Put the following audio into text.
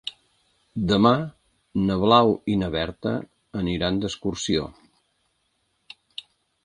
Demà na Blau i na Berta aniran d'excursió.